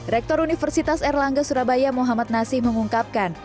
rektor universitas erlangga surabaya muhammad nasi mengungkapkan